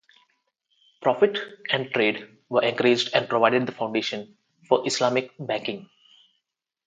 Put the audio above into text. Profit and trade were encouraged and provided the foundation for Islamic banking.